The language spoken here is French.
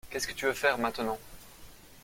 Qu’est-ce que tu vas faire, maintenant?